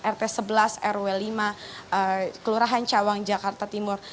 rt sebelas rw lima kelurahan cawang jakarta timur